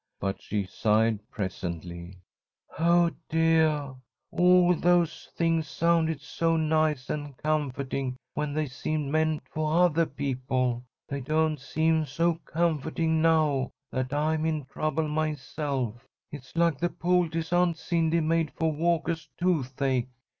But she sighed presently: "Oh, deah, all those things sounded so nice and comforting when they seemed meant for othah people. They don't seem so comforting now that I'm in trouble myself. It's like the poultice Aunt Cindy made for Walkah's toothache.